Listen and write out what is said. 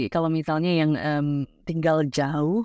kalau misalnya yang tinggal jauh